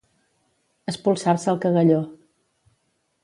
Espolsar-se el cagalló